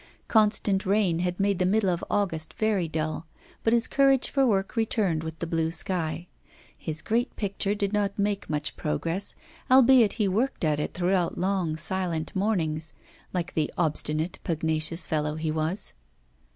Constant rain had made the middle of August very dull, but his courage for work returned with the blue sky. His great picture did not make much progress, albeit he worked at it throughout long, silent mornings, like the obstinate, pugnacious fellow he was.